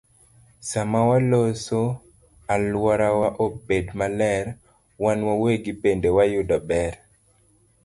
Sama waloso alworawa obed maler, wan wawegi bende wayudo ber.